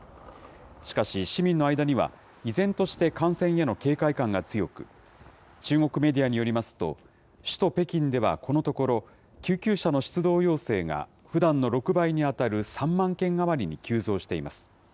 しかし市民の間には、依然として感染への警戒感が強く、中国メディアによりますと、首都北京ではこのところ、救急車の出動要請がふだんの６倍に当たる３万件余りに急増しています。